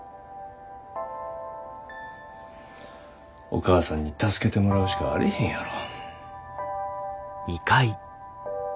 お義母さんに助けてもらうしかあれへんやろ。